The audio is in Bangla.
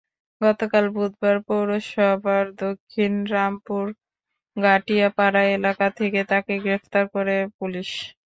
গতকাল বুধবার পৌরসভার দক্ষিণ রামপুর গাটিয়াপাড়া এলাকা থেকে তাঁকে গ্রেপ্তার করে পুলিশ।